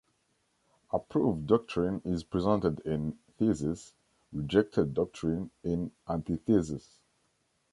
Approved doctrine is presented in "theses"; rejected doctrine in "antitheses.